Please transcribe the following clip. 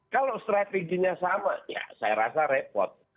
kalau strateginya sama ya saya rasa repot